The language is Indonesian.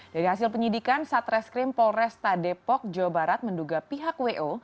dari hasil penyidikan satreskrim polresta depok jawa barat menduga pihak wo